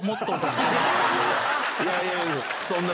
いやいや。